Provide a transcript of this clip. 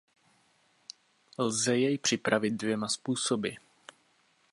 Lze jej připravit dvěma způsoby.